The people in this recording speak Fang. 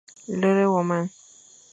Lere éwuma.